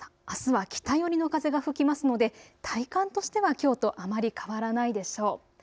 あすは北寄りの風が吹きますので体感としてはきょうとあまり変わらないでしょう。